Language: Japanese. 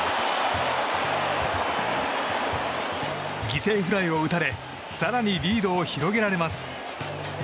犠牲フライを打たれ更にリードを広げられます。